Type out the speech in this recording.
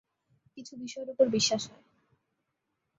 কিছু বিষয়ের উপরে বিশ্বাস হয়।